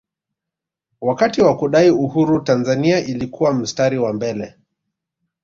wakati wa kudai uhuru tanzania ilikuwa mstari wa mbele